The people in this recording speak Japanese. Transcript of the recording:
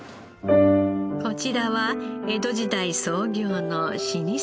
こちらは江戸時代創業の老舗料亭。